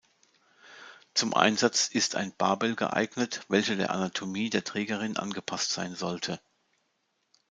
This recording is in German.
Zum Einsatz ist ein Barbell geeignet, welcher der Anatomie der Trägerin angepasst sein sollte.